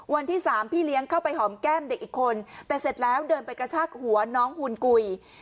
วันที่สามพี่เลี้ยงเข้าไปหอมแก้มเด็กอีกคนแต่เสร็จแล้วเดินไปกระชากหัวน้องฮูนกุย